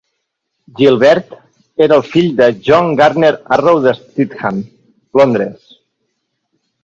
Gilbert era el fill de John Garner Arrow de Streatham, Londres.